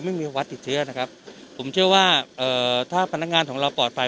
ไม่มีวัดติดเชื้อนะครับผมเชื่อว่าเอ่อถ้าพนักงานของเราปลอดภัย